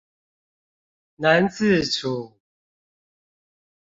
能自處